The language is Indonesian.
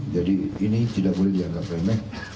jadi ini tidak boleh dianggap remeh